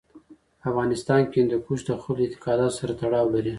په افغانستان کې هندوکش د خلکو د اعتقاداتو سره تړاو لري.